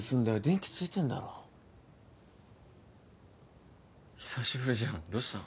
電気ついてんだろ久しぶりじゃんどうした？